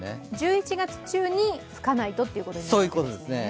１１月中に吹かないとということなんですよね。